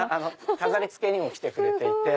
飾りつけにも来てくれていて。